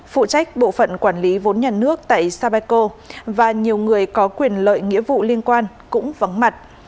phụ trách bộ phận quản lý vốn nhà nước tại sapeco và nhiều người có quyền lợi nghĩa vụ liên quan cũng vắng mặt